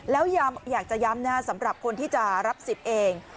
แล้วอยากจะย้ำนะสำหรับคนที่จะรับสิทธิ์เอง